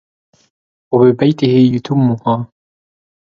وَبِبَيْتِهِ يُتِمُّهَا